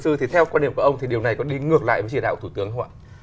với quan điểm của ông thì điều này có đi ngược lại với chỉ đạo của thủ tướng không ạ